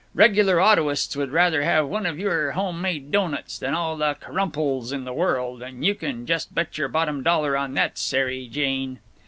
Regular autoists would rather have one of your home made doughnuts than all the crumples in the world, and you can just bet your bottom dollar on that, Sary Jane."